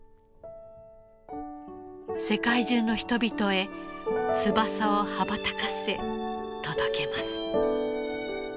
世界中の人々へ翼を羽ばたかせ届けます。